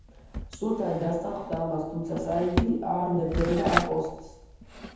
სულთანი დასთანხმდა ამას, თუმცა საიდი არ ნებდებოდა ამ პოსტს.